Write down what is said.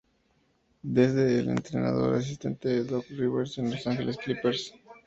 Desde es entrenador asistente de Doc Rivers en los Los Angeles Clippers.